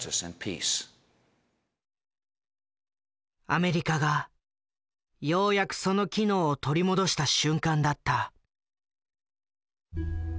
アメリカがようやくその機能を取り戻した瞬間だった。